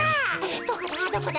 どこだどこだ？